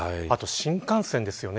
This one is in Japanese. あと、新幹線ですよね。